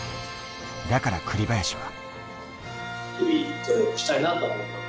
だから栗林は。